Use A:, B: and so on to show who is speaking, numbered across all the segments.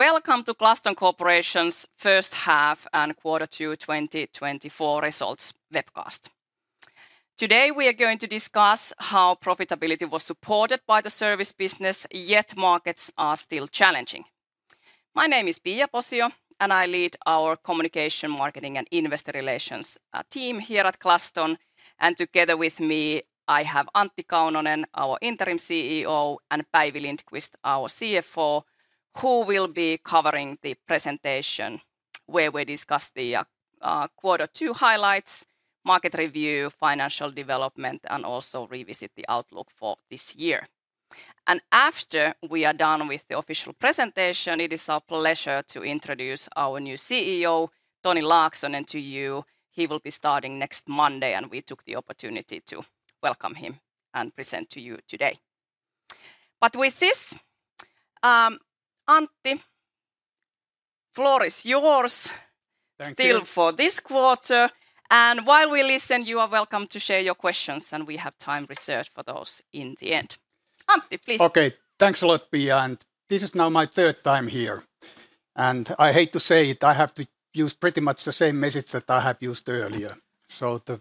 A: Welcome to Glaston Corporation's first half and quarter 2 2024 results webcast. Today, we are going to discuss how profitability was supported by the service business, yet markets are still challenging. My name is Pia Posio, and I lead our communication, marketing, and investor relations team here at Glaston. And together with me, I have Antti Kaunonen, our interim CEO, and Päivi Lindqvist, our CFO, who will be covering the presentation, where we discuss the quarter 2 highlights, market review, financial development, and also revisit the outlook for this year. And after we are done with the official presentation, it is our pleasure to introduce our new CEO, Toni Laaksonen, to you. He will be starting next Monday, and we took the opportunity to welcome him and present to you today. But with this, Antti, floor is yours.
B: Thank you..
A: still for this quarter, and while we listen, you are welcome to share your questions, and we have time reserved for those in the end. Antti, please.
B: Okay, thanks a lot, Pia, and this is now my third time here, and I hate to say it, I have to use pretty much the same message that I have used earlier. So the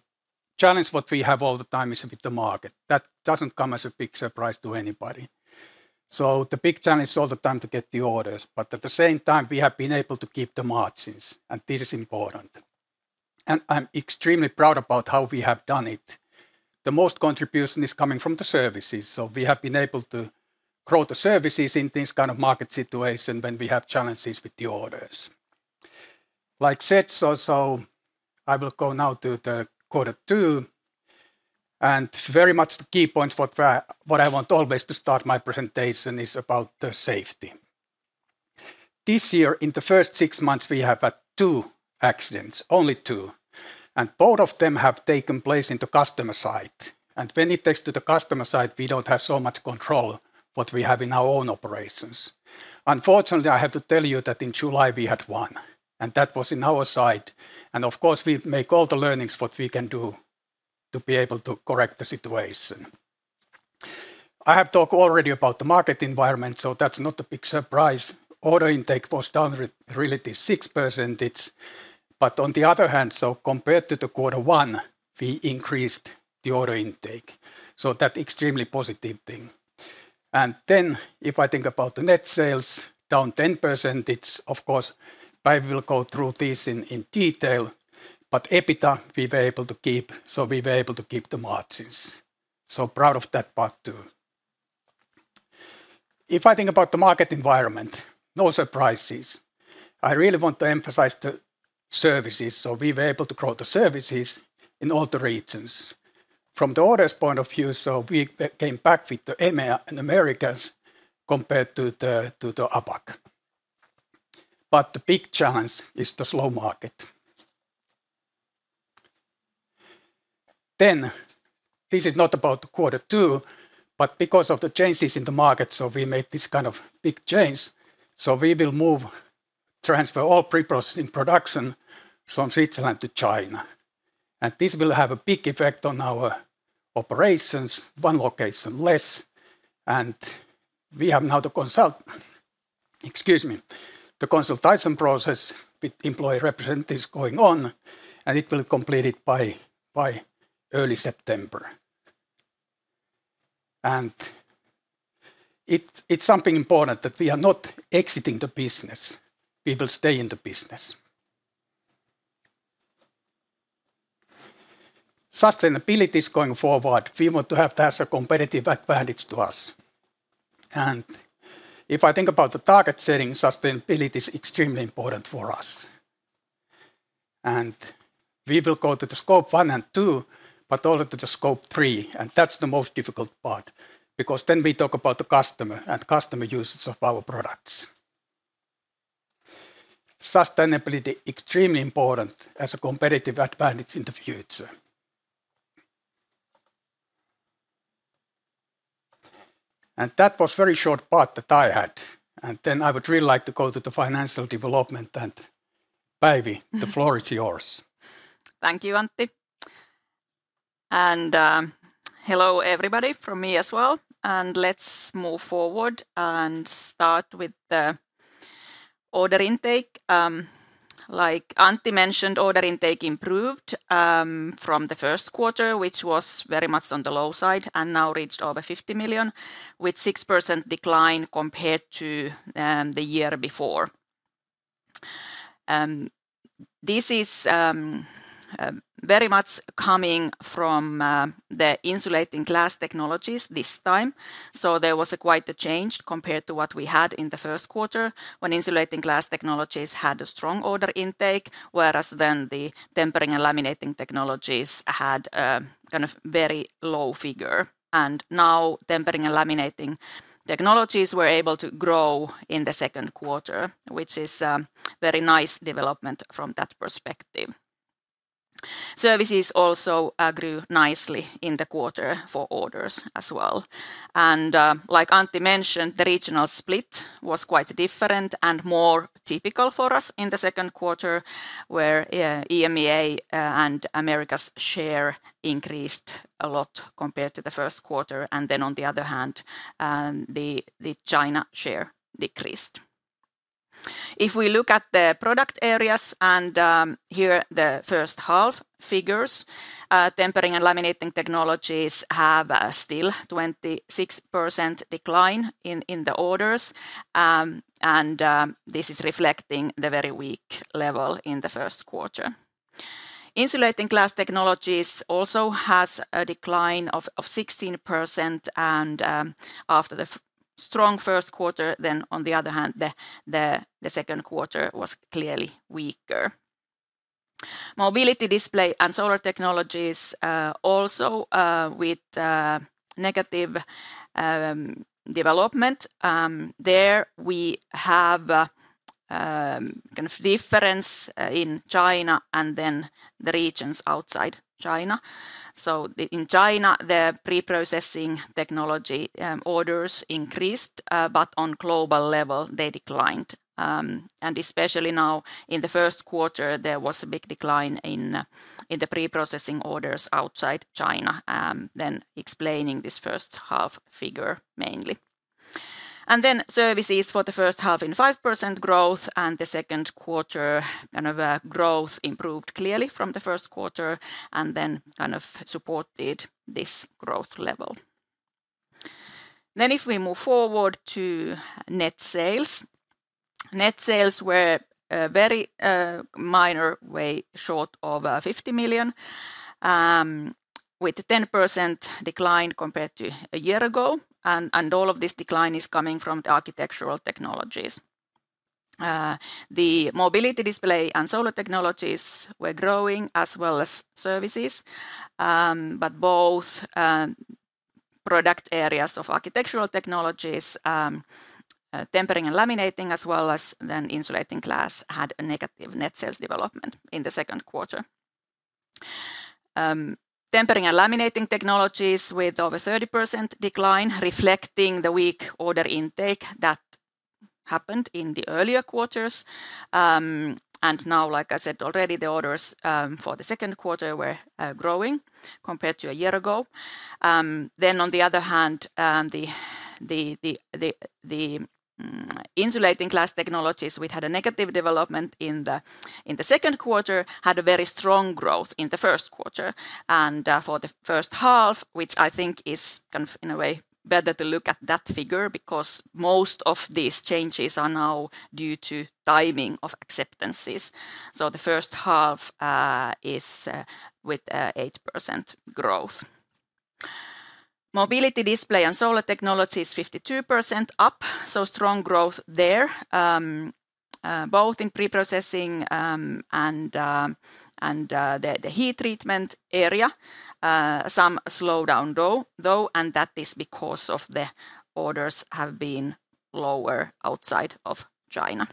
B: challenge what we have all the time is with the market. That doesn't come as a big surprise to anybody. So the big challenge is all the time to get the orders, but at the same time, we have been able to keep the margins, and this is important, and I'm extremely proud about how we have done it. The most contribution is coming from the services, so we have been able to grow the services in this kind of market situation when we have challenges with the orders. Like said, so, so I will go now to the quarter two, and very much the key points what I want always to start my presentation is about the safety. This year, in the first six months, we have had two accidents, only two, and both of them have taken place in the customer site. When it takes to the customer site, we don't have so much control what we have in our own operations. Unfortunately, I have to tell you that in July, we had one, and that was in our site, and of course, we make all the learnings what we can do to be able to correct the situation. I have talked already about the market environment, so that's not a big surprise. Order intake was down really 6%, but on the other hand, so compared to quarter one, we increased the order intake, so that extremely positive thing. And then, if I think about the net sales, down 10%. Of course, Päivi will go through this in detail, but EBITDA, we were able to keep, so we were able to keep the margins. So proud of that part, too. If I think about the market environment, no surprises. I really want to emphasize the services, so we were able to grow the services in all the regions. From the orders point of view, so we came back with the EMEA and Americas compared to the APAC, but the big challenge is the slow market. Then, this is not about the quarter two, but because of the changes in the market, so we made this kind of big change, so we will move, transfer all pre-processing production from Switzerland to China, and this will have a big effect on our operations. One location less, and we have now the consult—excuse me, the consultation process with employee representatives going on, and it will complete by early September. And it's something important that we are not exiting the business. We will stay in the business. Sustainability is going forward. We want to have that a competitive advantage to us, and if I think about the target setting, sustainability is extremely important for us. We will go to the Scope 1 and 2, but also to the Scope 3, and that's the most difficult part because then we talk about the customer and customer usage of our products. Sustainability, extremely important as a competitive advantage in the future. That was very short part that I had, and then I would really like to go to the financial development. Päivi, the floor is yours.
C: Thank you, Antti. Hello, everybody, from me as well, and let's move forward and start with the order intake. Like Antti mentioned, order intake improved from the first quarter, which was very much on the low side, and now reached over 50 million, with 6% decline compared to the year before. This is very much coming from the Insulating Glass Technologies this time, so there was quite a change compared to what we had in the first quarter, when Insulating Glass Technologies had a strong order intake, whereas then the Tempering and Laminating Technologies had kind of very low figure. Now, Tempering and Laminating Technologies were able to grow in the second quarter, which is a very nice development from that perspective. Services also grew nicely in the quarter for orders as well. Like Antti mentioned, the regional split was quite different and more typical for us in the second quarter, where EMEA and Americas share increased a lot compared to the first quarter, and then, on the other hand, the China share decreased. If we look at the product areas and here the first half figures, Tempering and Laminating Technologies have still 26% decline in the orders. And this is reflecting the very weak level in the first quarter. Insulating Glass Technologies also has a decline of 16% and after the strong first quarter, then on the other hand, the second quarter was clearly weaker. Mobility, Display, and Solar Technologies also with negative development. There we have kind of difference in China and then the regions outside China. So in China, the pre-processing technology orders increased, but on global level, they declined. And especially now, in the first quarter, there was a big decline in the pre-processing orders outside China, then explaining this first half figure, mainly. And then services for the first half in 5% growth, and the second quarter, kind of, growth improved clearly from the first quarter, and then kind of supported this growth level. Then if we move forward to net sales. Net sales were very minor way short of 50 million, with 10% decline compared to a year ago, and all of this decline is coming from the Architectural Technologies. The Mobility, Display, and Solar Technologies were growing as well as services. But both product areas of Architectural Technologies, tempering and laminating, as well as then insulating glass, had a negative net sales development in the second quarter. Tempering and Laminating Technologies with over 30% decline, reflecting the weak order intake that happened in the earlier quarters. And now, like I said already, the orders for the second quarter were growing compared to a year ago. Then on the other hand, the Insulating Glass Technologies, which had a negative development in the second quarter, had a very strong growth in the first quarter. For the first half, which I think is kind of in a way better to look at that figure, because most of these changes are now due to timing of acceptances. The first half is with 8% growth. Mobility, Display & Solar is 52% up, so strong growth there, both in pre-processing and the heat treatment area. Some slowdown though, and that is because the orders have been lower outside of China.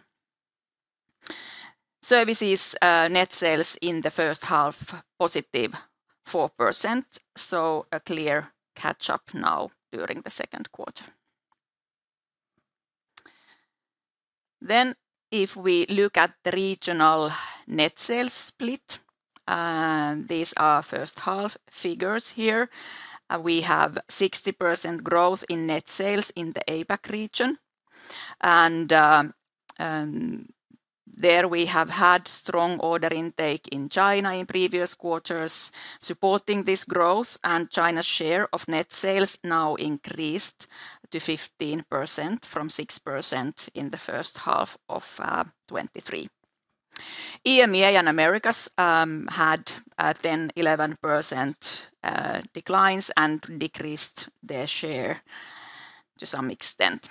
C: Services net sales in the first half, positive 4%, so a clear catch-up now during the second quarter. If we look at the regional net sales split, these are first half figures here. We have 60% growth in net sales in the APAC region, and there we have had strong order intake in China in previous quarters, supporting this growth, and China's share of net sales now increased to 15% from 6% in the first half of 2023. EMEA and Americas had then 11% declines and decreased their share to some extent.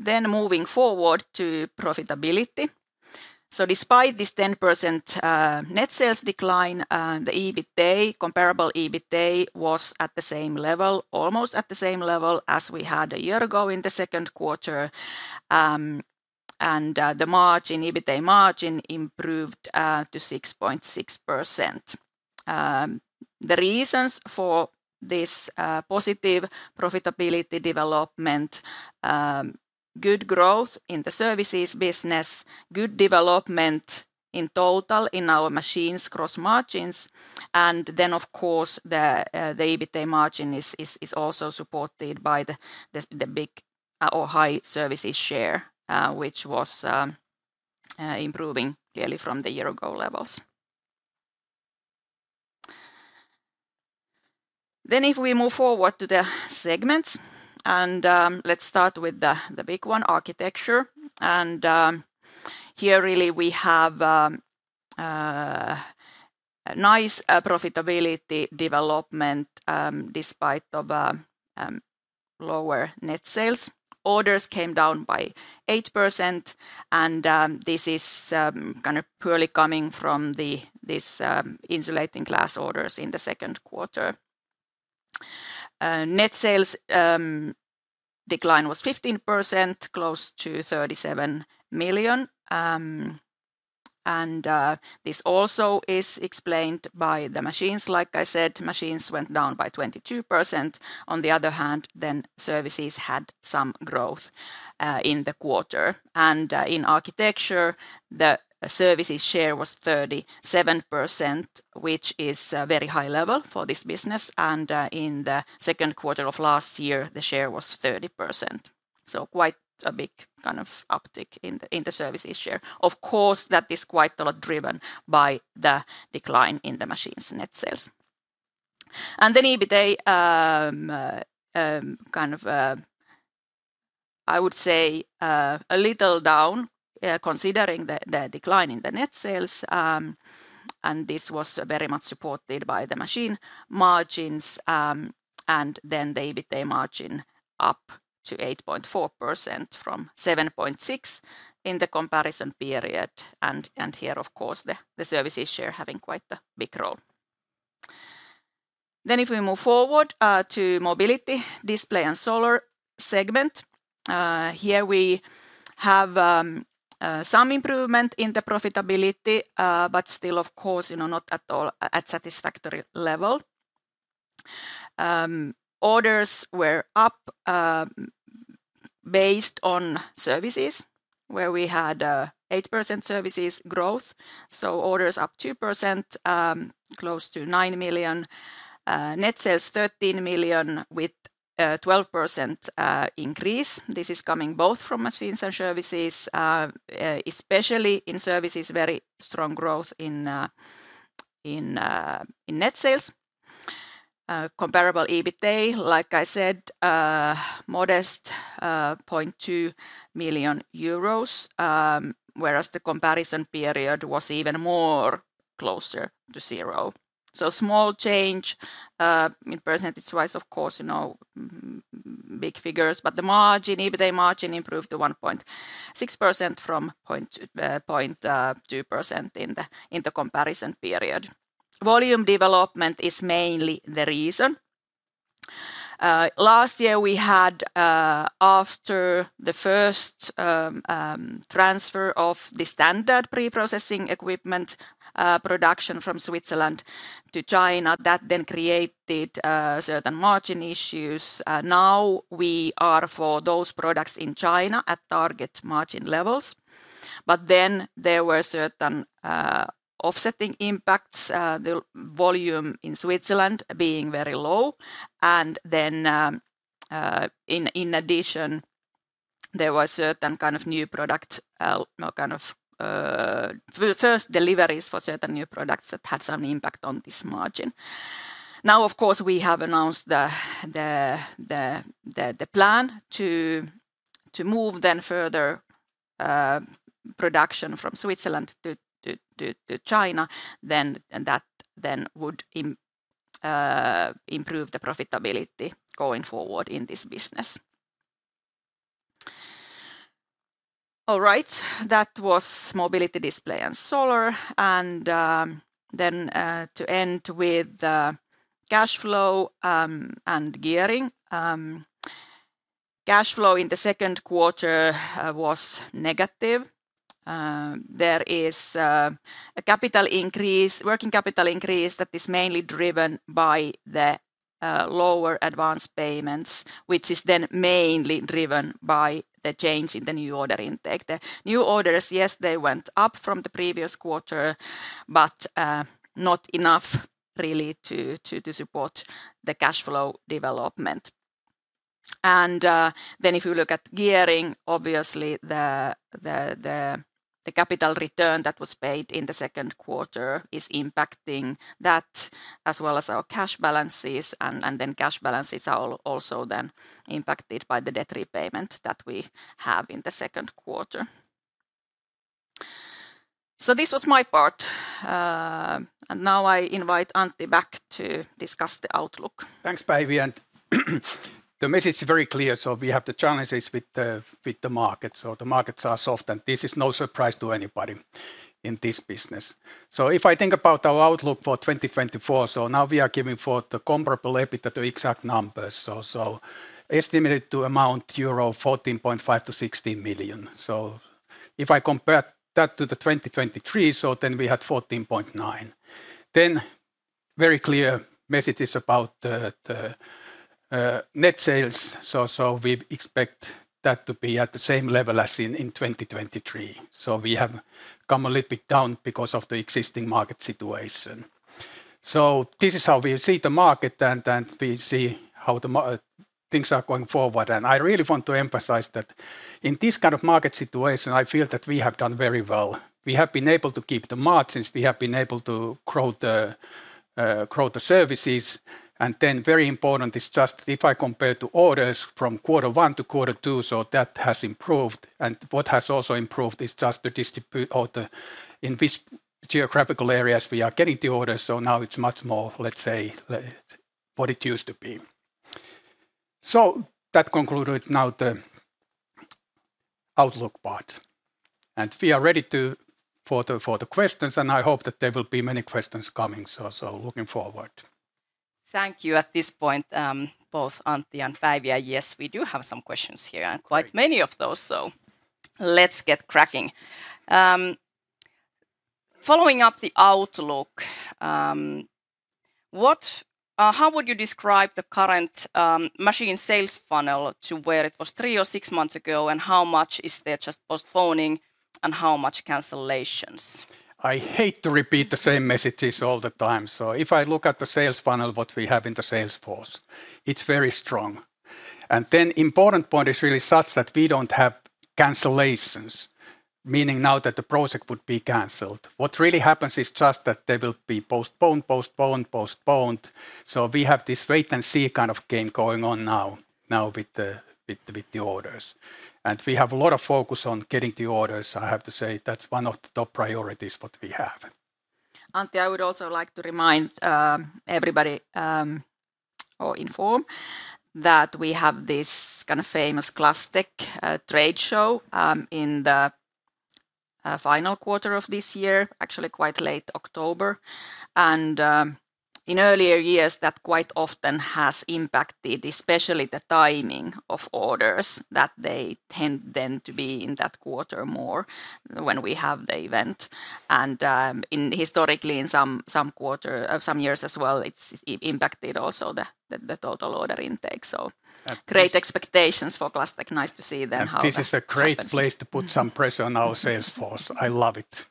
C: Then moving forward to profitability. So despite this 10% net sales decline, the EBITDA, comparable EBITDA, was at the same level, almost at the same level as we had a year ago in the second quarter. And the margin, EBITDA margin improved to 6.6%. The reasons for this positive profitability development, good growth in the services business, good development in total in our machines' gross margins, and then, of course, the EBITDA margin is also supported by the big or high services share, which was improving clearly from the year ago levels. Then if we move forward to the segments, and let's start with the big one, Architecture. And here, really, we have nice profitability development despite of lower net sales. Orders came down by 8%, and this is kind of purely coming from the this insulating glass orders in the second quarter. Net sales decline was 15%, close to 37 million. And this also is explained by the machines. Like I said, machines went down by 22%. On the other hand, then, services had some growth in the quarter. And, in Architecture, the services share was 37%, which is a very high level for this business, and, in the second quarter of last year, the share was 30%. So quite a big kind of uptick in the services share. Of course, that is quite a lot driven by the decline in the machines net sales. And then EBITDA kind of, I would say, a little down, considering the decline in the net sales, and this was very much supported by the machine margins, and then the EBITA margin up to 8.4% from 7.6% in the comparison period. And here, of course, the services share having quite a big role. Then if we move forward to Mobility, Display, and Solar segment, here we have some improvement in the profitability, but still, of course, you know, not at all at satisfactory level. Orders were up based on services, where we had 8% services growth, so orders up 2%, close to 9 million. Net sales 13 million, with 12% increase. This is coming both from machines and services. Especially in services, very strong growth in net sales. Comparable EBITDA, like I said, modest 0.2 million euros, whereas the comparison period was even more closer to zero. So small change in percentage-wise, of course, you know, big figures, but the margin, EBITDA margin improved to 1.6% from 0.2% in the comparison period. Volume development is mainly the reason. Last year we had after the first transfer of the standard pre-processing equipment production from Switzerland to China, that then created certain margin issues. Now we are for those products in China at target margin levels. But then there were certain offsetting impacts, the volume in Switzerland being very low, and then in addition, there were certain kind of the first deliveries for certain new products that had some impact on this margin. Now, of course, we have announced the plan to move then further production from Switzerland to China, then. And that then would improve the profitability going forward in this business. All right, that was Mobility, Display, and Solar. And, then, to end with the cash flow and gearing. Cash flow in the second quarter was negative. There is a capital increase, working capital increase that is mainly driven by the lower advanced payments, which is then mainly driven by the change in the new order intake. The new orders, yes, they went up from the previous quarter, but not enough really to support the cash flow development. Then, if you look at gearing, obviously, the capital return that was paid in the second quarter is impacting that, as well as our cash balances, and then cash balances are also then impacted by the debt repayment that we have in the second quarter. So this was my part, and now I invite Antti back to discuss the outlook.
B: Thanks, Päivi, and the message is very clear. So we have the challenges with the market. So the markets are soft, and this is no surprise to anybody in this business. So if I think about our outlook for 2024, so now we are giving for the comparable EBITDA the exact numbers. So estimated to amount to EUR 14.5 million - 16 million. So if I compare that to 2023, so then we had 14.9. Then the very clear message is about the net sales. So we expect that to be at the same level as in 2023. So we have come a little bit down because of the existing market situation. So this is how we see the market, and then we see how things are going forward. I really want to emphasize that in this kind of market situation, I feel that we have done very well. We have been able to keep the margins, we have been able to grow the services. And then very important is just if I compare the orders from quarter one to quarter two, so that has improved. And what has also improved is just the in which geographical areas we are getting the orders, so now it's much more, let's say, than what it used to be. So that concluded now the outlook part, and we are ready to... for the, for the questions, and I hope that there will be many questions coming, so, so looking forward.
A: Thank you. At this point, both Antti and Päivi, yes, we do have some questions here, and quite many of those, so let's get cracking. Following up the outlook, what, how would you describe the current machine sales funnel to where it was three or six months ago? And how much is there just postponing and how much cancellations?
B: I hate to repeat the same messages all the time. So if I look at the sales funnel, what we have in the sales force, it's very strong. And then important point is really such that we don't have cancellations, meaning now that the project would be canceled. What really happens is just that they will be postponed, postponed, postponed. So we have this wait and see kind of game going on now with the orders. And we have a lot of focus on getting the orders. I have to say, that's one of the top priorities, what we have.
C: Antti, I would also like to remind everybody, or inform, that we have this kind of famous Glasstec trade show in the final quarter of this year, actually quite late October. And in earlier years, that quite often has impacted, especially the timing of orders, that they tend then to be in that quarter more when we have the event. And historically, in some years as well, it's impacted also the total order intake. So great expectations for Glasstec. Nice to see then how that happens.
B: This is a great place to put some pressure on our sales force. I love it.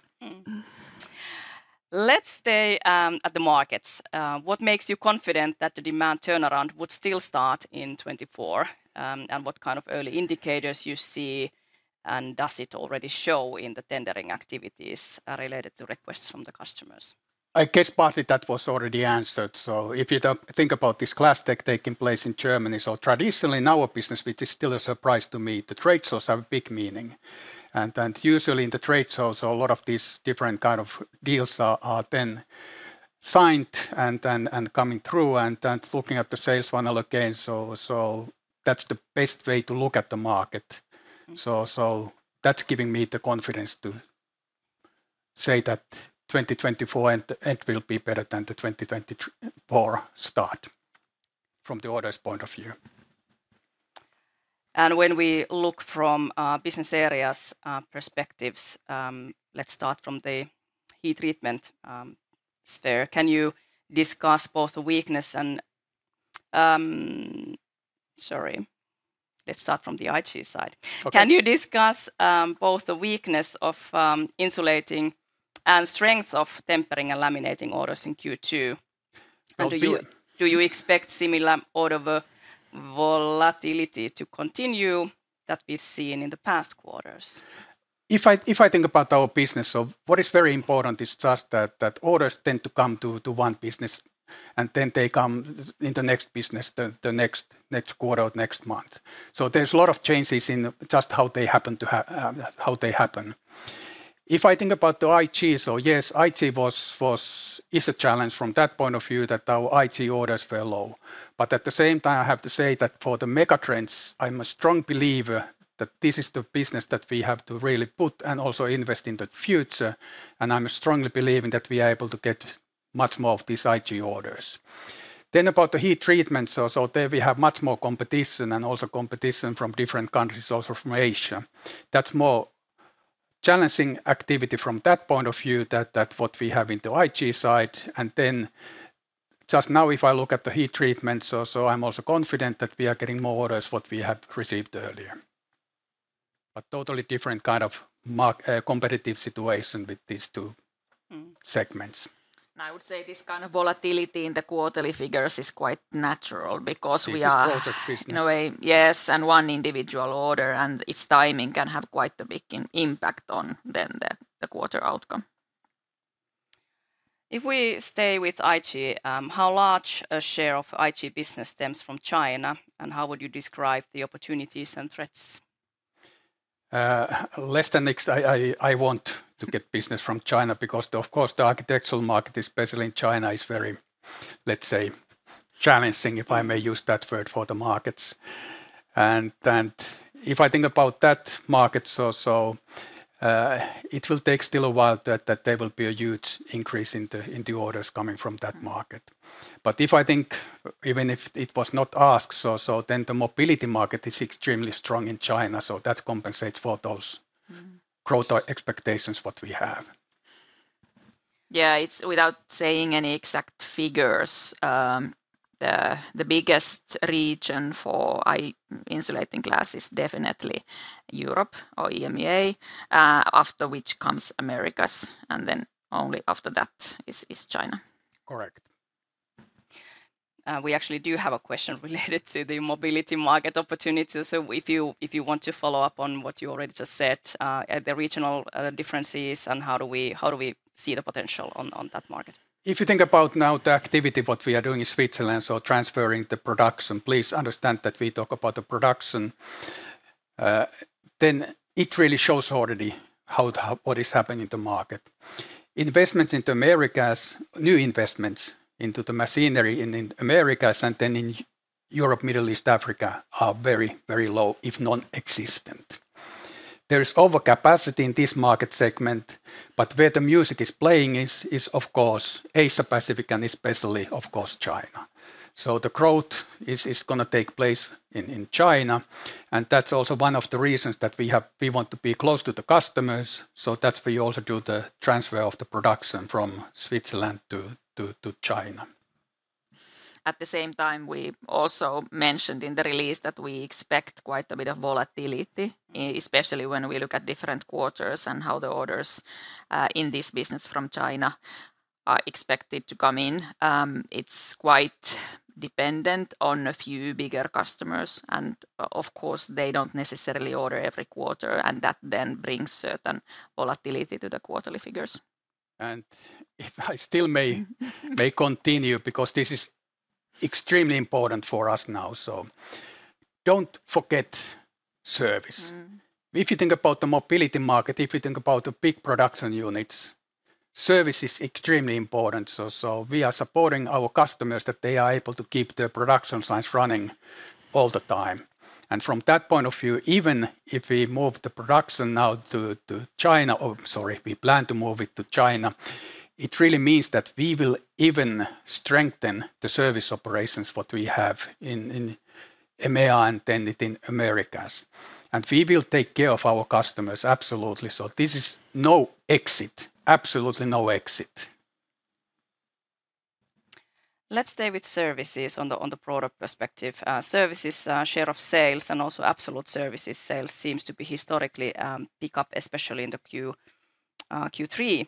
A: Let's stay at the markets. What makes you confident that the demand turnaround would still start in 2024? And what kind of early indicators you see, and does it already show in the tendering activities related to requests from the customers?
B: I guess partly that was already answered. So if you don't think about this Glasstec taking place in Germany. So traditionally, in our business, which is still a surprise to me, the trade shows have a big meaning. And, and usually in the trade shows, a lot of these different kind of deals are, are then signed and, and, and coming through, and, and looking at the sales funnel again. So, so that's the best way to look at the market. So, so that's giving me the confidence to say that 2024, and, and will be better than the 2023-2024 start, from the orders point of view.
A: And when we look from business areas perspectives, let's start from the heat treatment sphere. Can you discuss both the weakness and... Sorry, let's start from the IG side.
B: Okay.
A: Can you discuss, both the weakness of, insulating and strength of tempering and laminating orders in Q2?
B: I'll do it.
A: Do you expect similar order volatility to continue that we've seen in the past quarters?
B: If I think about our business, so what is very important is just that orders tend to come to one business, and then they come in the next business, the next quarter or next month. So there's a lot of changes in just how they happen. If I think about the IG, so yes, IG is a challenge from that point of view, that our IG orders were low. But at the same time, I have to say that for the mega trends, I'm a strong believer that this is the business that we have to really put and also invest in the future, and I'm strongly believing that we are able to get much more of these IG orders. Then about the heat treatment, so there we have much more competition, and also competition from different countries, also from Asia. That's more challenging activity from that point of view, that what we have in the IG side. And then just now, if I look at the heat treatment, so I'm also confident that we are getting more orders, what we had received earlier. But totally different kind of market, competitive situation with these two segments.
C: I would say this kind of volatility in the quarterly figures is quite natural, because we are-
B: This is project business....
C: in a way, yes, and one individual order, and its timing can have quite a big impact on then the, the quarter outcome.
A: If we stay with IG, how large a share of IG business stems from China, and how would you describe the opportunities and threats?
B: Next, I want to get business from China, because of course, the architectural market, especially in China, is very, let's say, challenging, if I may use that word, for the markets. If I think about that market, it will take still a while that there will be a huge increase in the orders coming from that market. But if I think, even if it was not asked, then the mobility market is extremely strong in China, so that compensates for those growth expectations, what we have.
C: Yeah, it's without saying any exact figures, the biggest region for insulating glass is definitely Europe or EMEA, after which comes Americas, and then only after that is China.
B: Correct.
A: We actually do have a question related to the mobility market opportunity. So if you want to follow up on what you already just said, at the regional differences, and how do we see the potential on that market?
B: If you think about now the activity, what we are doing in Switzerland, so transferring the production, please understand that we talk about the production, then it really shows already how what is happening in the market. Investments into Americas, new investments into the machinery in Americas and then in Europe, Middle East, Africa, are very, very low, if nonexistent. There is overcapacity in this market segment, but where the music is playing is of course Asia Pacific, and especially, of course, China. So the growth is gonna take place in China, and that's also one of the reasons that we want to be close to the customers, so that's where you also do the transfer of the production from Switzerland to China.
C: At the same time, we also mentioned in the release that we expect quite a bit of volatility, especially when we look at different quarters and how the orders, in this business from China are expected to come in. It's quite dependent on a few bigger customers, and of course, they don't necessarily order every quarter, and that then brings certain volatility to the quarterly figures.
B: And if I still may continue, because this is extremely important for us now, so don't forget service. If you think about the mobility market, if you think about the big production units, service is extremely important. So, we are supporting our customers that they are able to keep their production lines running all the time. And from that point of view, even if we move the production now to China... Oh, sorry, we plan to move it to China, it really means that we will even strengthen the service operations, what we have in EMEA and then in Americas. And we will take care of our customers, absolutely, so this is no exit. Absolutely no exit.
A: Let's stay with services on the product perspective. Services share of sales and also absolute services sales seems to be historically pick up, especially in the Q3.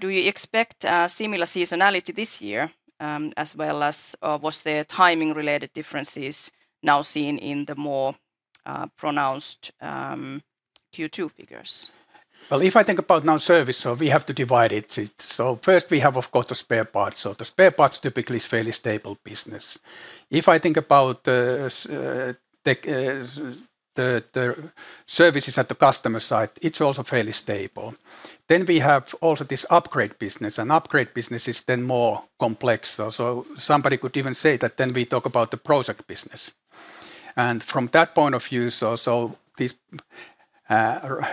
A: Do you expect a similar seasonality this year, as well as, was there timing-related differences now seen in the more pronounced Q2 figures?
B: Well, if I think about our service, so we have to divide it. So first, we have, of course, the spare parts. So the spare parts typically is fairly stable business. If I think about services at the customer site, it's also fairly stable. Then we have also this upgrade business, and upgrade business is then more complex. So somebody could even say that then we talk about the project business. And from that point of view, so these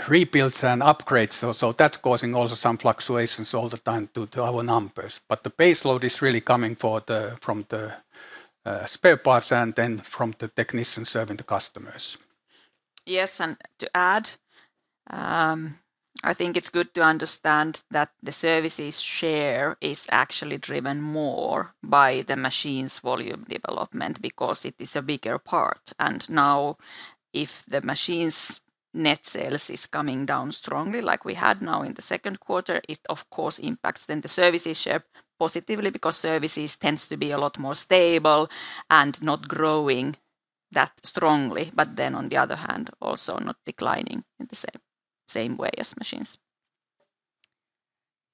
B: rebuilds and upgrades, so that's causing also some fluctuations all the time to our numbers. But the base load is really coming from the spare parts and then from the technicians serving the customers.
C: Yes, and to add, I think it's good to understand that the services share is actually driven more by the machines' volume development, because it is a bigger part. And now, if the machines' net sales is coming down strongly, like we had now in the second quarter, it of course impacts then the services share positively, because services tends to be a lot more stable and not growing that strongly. But then on the other hand, also not declining in the same, same way as machines.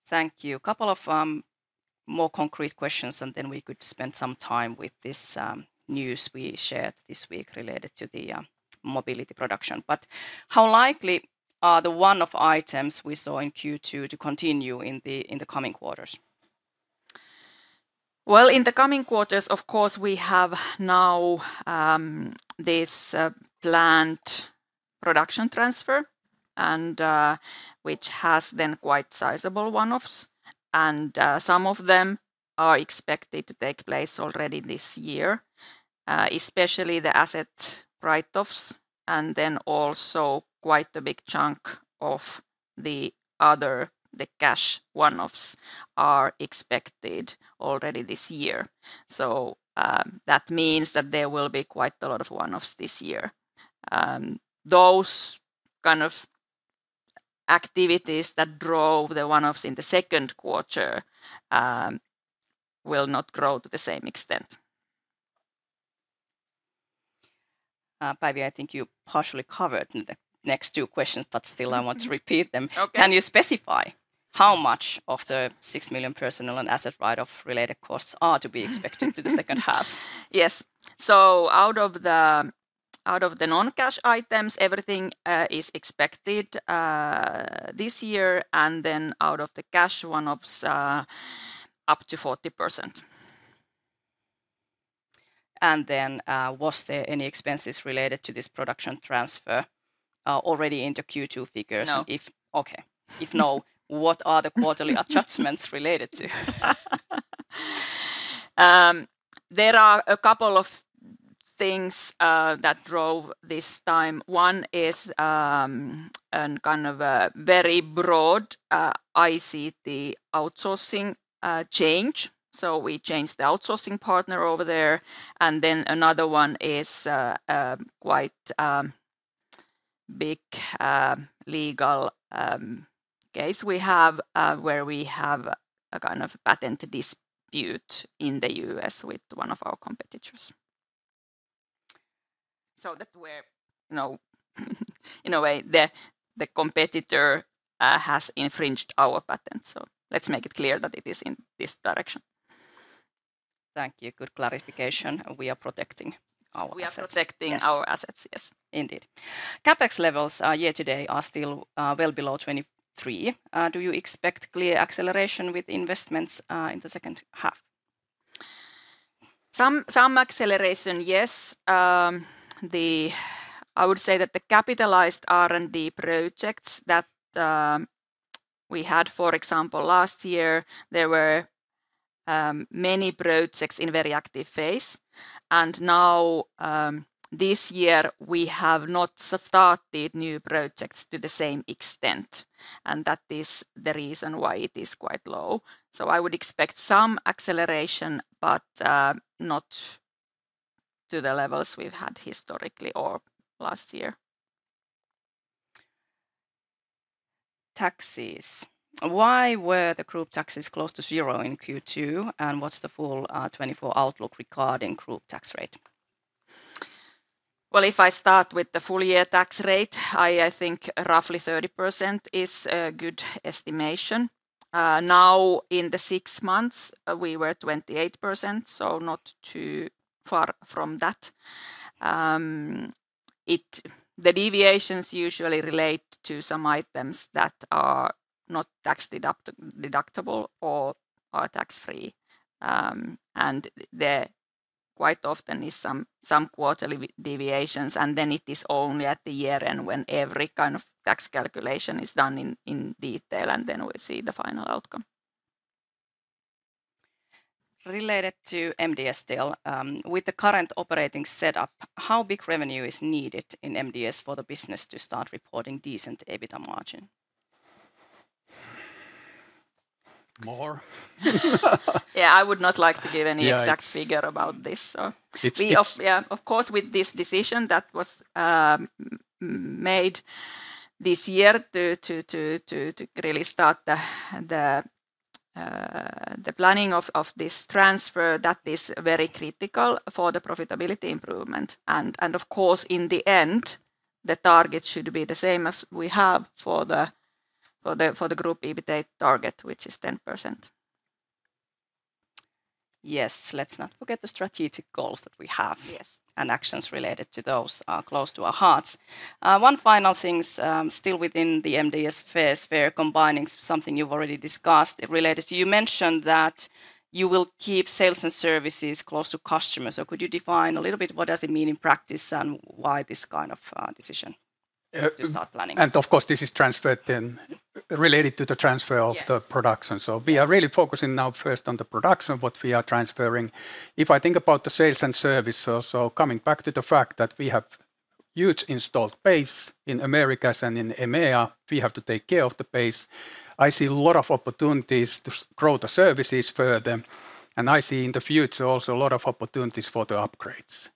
A: Thank you. Couple of more concrete questions, and then we could spend some time with this news we shared this week related to the mobility production. But how likely are the one-off items we saw in Q2 to continue in the coming quarters?
C: Well, in the coming quarters, of course, we have now this planned production transfer, and which has then quite sizable one-offs, and some of them are expected to take place already this year, especially the asset write-offs and then also quite a big chunk of the other. The cash one-offs are expected already this year. So, that means that there will be quite a lot of one-offs this year. Those kind of activities that drove the one-offs in the second quarter will not grow to the same extent.
A: Päivi, I think you partially covered in the next two questions, but still I want to repeat them.
C: Okay.
A: Can you specify how much of the 6 million personal and asset write-off related costs are to be expected to the second half?
C: Yes. So out of the non-cash items, everything is expected this year, and then out of the cash one-offs, up to 40%.
A: Then, was there any expenses related to this production transfer already in the Q2 figures?
C: No.
A: Okay. If no, what are the quarterly adjustments related to?
C: There are a couple of things that drove this time. One is a kind of a very broad ICT outsourcing change. So we changed the outsourcing partner over there. And then another one is a quite big legal case we have, where we have a kind of patent dispute in the U.S. with one of our competitors. So that we're, you know, in a way, the competitor has infringed our patent, so let's make it clear that it is in this direction.
A: Thank you. Good clarification. We are protecting our assets.
C: We are protecting-
A: Yes...
C: our assets. Yes, indeed.
A: CapEx levels year-to-date are still well below 2023. Do you expect clear acceleration with investments in the second half?
C: Some acceleration, yes. I would say that the capitalized R&D projects that we had, for example, last year, there were many projects in very active phase. And now, this year, we have not started new projects to the same extent, and that is the reason why it is quite low. So I would expect some acceleration, but not to the levels we've had historically or last year.
A: Taxes. Why were the group taxes close to zero in Q2, and what's the full 2024 outlook regarding group tax rate?
C: Well, if I start with the full year tax rate, I think roughly 30% is a good estimation. Now, in the six months, we were 28%, so not too far from that. The deviations usually relate to some items that are not tax deductible or are tax-free. And there quite often is some quarterly deviations, and then it is only at the year end when every kind of tax calculation is done in detail, and then we see the final outcome.
A: Related to MDS deal, with the current operating setup, how big revenue is needed in MDS for the business to start reporting decent EBITDA margin?
B: More.
C: Yeah, I would not like to give any-
B: Yeah, it's-...
C: exact figure about this, so-
B: It's, it's-
C: Yeah, of course, with this decision that was made this year to really start the planning of this transfer that is very critical for the profitability improvement. And of course, in the end, the target should be the same as we have for the group EBITDA target, which is 10%.
A: Yes. Let's not forget the strategic goals that we have-
C: Yes
A: And actions related to those are close to our hearts. One final things, still within the MDS sphere, combining something you've already discussed. Related to, you mentioned that you will keep sales and services close to customers, so could you define a little bit what does it mean in practice and why this kind of decision to start planning?
B: Of course, this is transferred then related to the transfer of the-
A: Yes...
B: production.
A: Yes.
B: So we are really focusing now first on the production, what we are transferring. If I think about the sales and service, so coming back to the fact that we have huge installed base in Americas and in EMEA, we have to take care of the base. I see a lot of opportunities to grow the services further, and I see in the future also a lot of opportunities for the upgrades.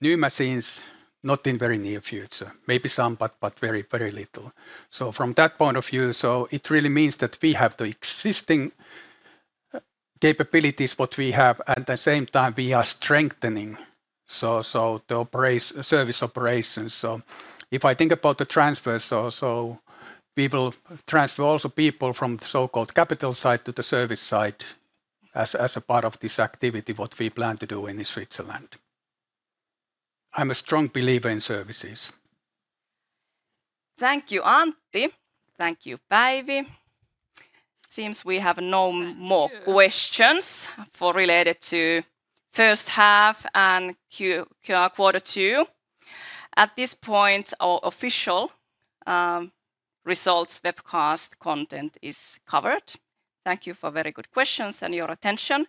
B: New machines, not in very near future. Maybe some, but, but very, very little. So from that point of view, so it really means that we have the existing capabilities, what we have, at the same time, we are strengthening, so, so the service operations. If I think about the transfer, we will transfer also people from the so-called capital side to the service side as a part of this activity, what we plan to do in Switzerland. I'm a strong believer in services.
A: Thank you, Antti. Thank you, Päivi. Seems we have no more-
C: Thank you...
A: questions related to first half and quarter two. At this point, our official results webcast content is covered. Thank you for very good questions and your attention.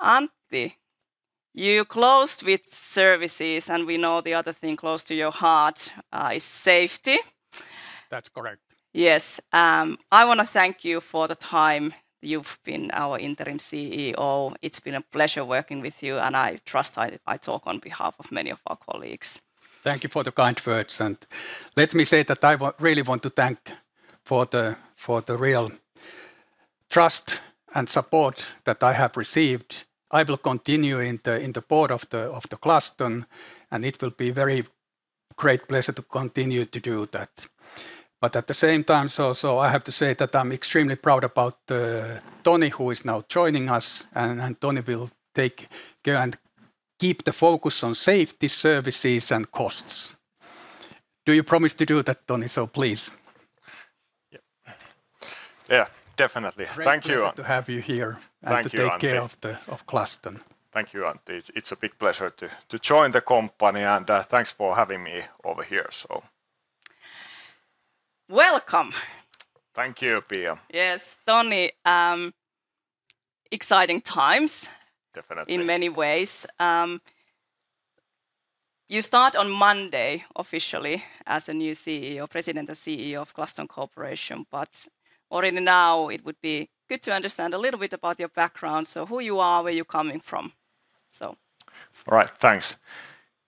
A: Antti, you closed with services, and we know the other thing close to your heart is safety.
B: That's correct.
A: Yes. I want to thank you for the time you've been our Interim CEO. It's been a pleasure working with you, and I trust I talk on behalf of many of our colleagues.
B: Thank you for the kind words, and let me say that I really want to thank for the, for the real trust and support that I have received. I will continue in the, in the board of the, of the Glaston, and it will be very great pleasure to continue to do that. But at the same time, so, so I have to say that I'm extremely proud about, Toni, who is now joining us, and, and Toni will take care and keep the focus on safety, services, and costs. Do you promise to do that, Toni? So please.
D: Yeah. Yeah, definitely. Thank you.
B: Great pleasure to have you here-
D: Thank you, Antti....
B: and to take care of the, of Glaston.
D: Thank you, Antti. It's a big pleasure to join the company, and thanks for having me over here, so...
A: Welcome!
D: Thank you, Pia.
A: Yes, Toni, exciting times-
D: Definitely...
A: in many ways. You start on Monday, officially, as a new CEO, President and CEO of Glaston Corporation, but already now it would be good to understand a little bit about your background. So who you are, where you're coming from, so.
D: All right. Thanks.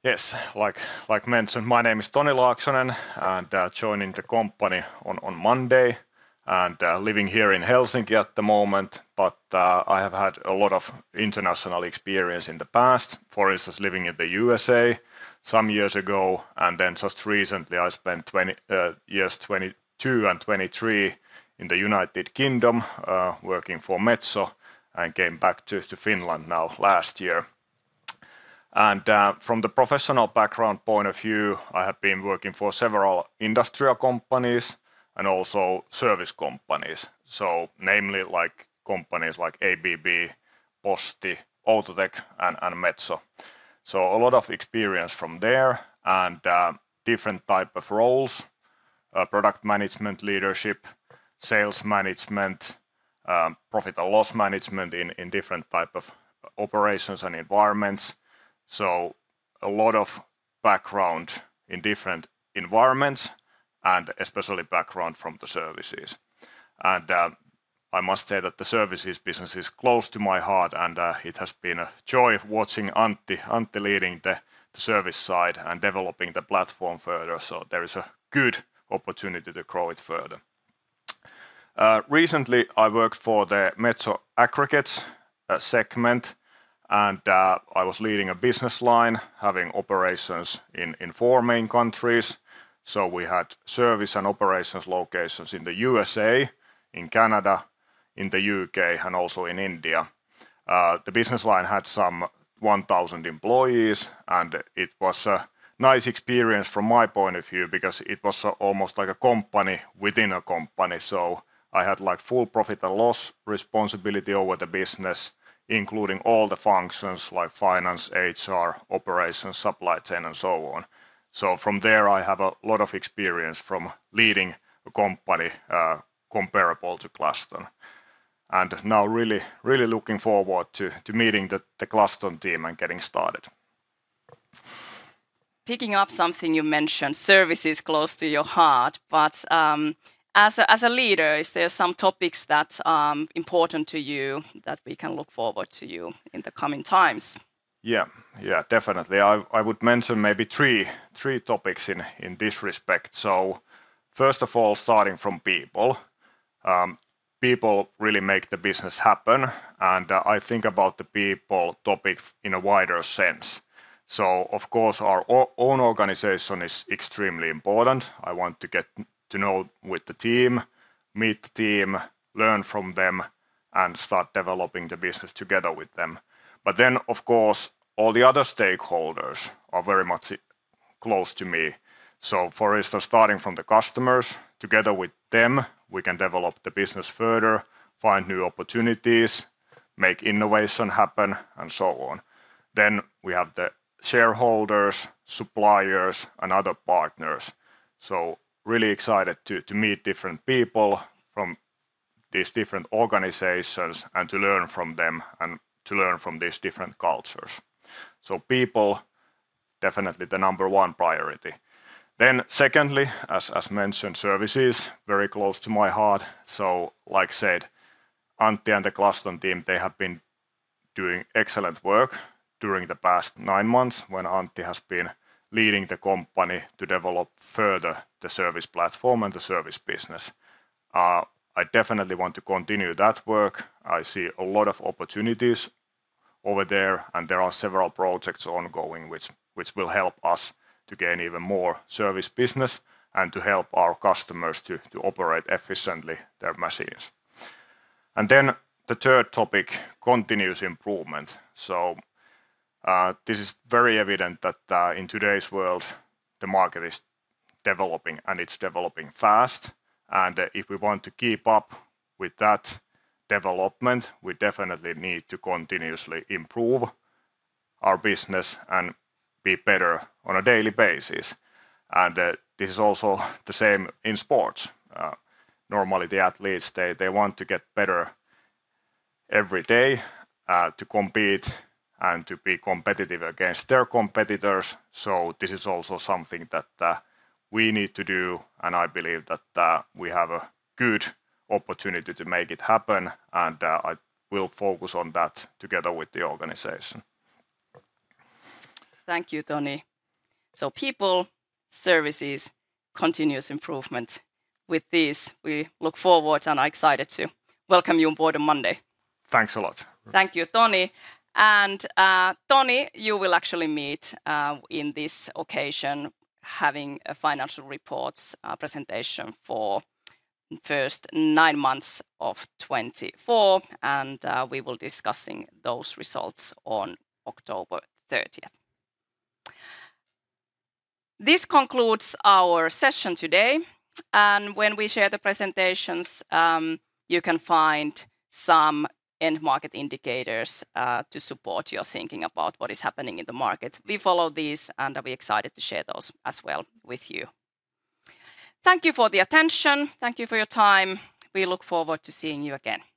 D: Yes, like mentioned, my name is Toni Laaksonen, and joining the company on Monday, and living here in Helsinki at the moment. I have had a lot of international experience in the past. For instance, living in the U.S.A some years ago, and then just recently, I spent 2022 and 2023 in the United Kingdom, working for Metso, and came back to Finland now last year. From the professional background point of view, I have been working for several industrial companies and also service companies, so namely, like companies like ABB, Posti, Outotec, and Metso. So a lot of experience from there, and different type of roles... product management, leadership, sales management, profit and loss management in different type of operations and environments. So a lot of background in different environments, and especially background from the services. And I must say that the services business is close to my heart, and it has been a joy watching Antti leading the service side and developing the platform further. So there is a good opportunity to grow it further. Recently, I worked for the Metso Aggregates segment, and I was leading a business line, having operations in four main countries. So we had service and operations locations in the U.S.A, in Canada, in the U.K., and also in India. The business line had some 1,000 employees, and it was a nice experience from my point of view because it was almost like a company within a company. So I had, like, full profit and loss responsibility over the business, including all the functions like finance, HR, operations, supply chain, and so on. So from there, I have a lot of experience from leading a company comparable to Glaston. And now really, really looking forward to meeting the Glaston team and getting started.
A: Picking up something you mentioned, service is close to your heart, but as a leader, is there some topics that important to you that we can look forward to you in the coming times?
D: Yeah. Yeah, definitely. I would mention maybe three, three topics in, in this respect. So first of all, starting from people. People really make the business happen, and I think about the people topic in a wider sense. So of course, our own organization is extremely important. I want to get to know with the team, meet the team, learn from them, and start developing the business together with them. But then, of course, all the other stakeholders are very much close to me. So for instance, starting from the customers, together with them, we can develop the business further, find new opportunities, make innovation happen, and so on. Then we have the shareholders, suppliers, and other partners. So really excited to, to meet different people from these different organizations, and to learn from them, and to learn from these different cultures. So people, definitely the number one priority. Then secondly, as mentioned, services, very close to my heart. So, like said, Antti and the Glaston team, they have been doing excellent work during the past nine months, when Antti has been leading the company to develop further the service platform and the service business. I definitely want to continue that work. I see a lot of opportunities over there, and there are several projects ongoing, which will help us to gain even more service business and to help our customers to operate efficiently their machines. And then the third topic, continuous improvement. So, this is very evident that, in today's world, the market is developing, and it's developing fast. And if we want to keep up with that development, we definitely need to continuously improve our business and be better on a daily basis. This is also the same in sports. Normally, the athletes want to get better every day to compete and to be competitive against their competitors. So this is also something that we need to do, and I believe that we have a good opportunity to make it happen, and I will focus on that together with the organization.
A: Thank you, Toni. So people, services, continuous improvement. With this, we look forward and are excited to welcome you on board on Monday.
D: Thanks a lot.
A: Thank you, Toni. And, Toni, you will actually meet in this occasion, having a financial reports presentation for first nine months of 2024, and, we will discussing those results on October 30th. This concludes our session today, and when we share the presentations, you can find some end market indicators to support your thinking about what is happening in the market. We follow these and are be excited to share those as well with you. Thank you for the attention. Thank you for your time. We look forward to seeing you again.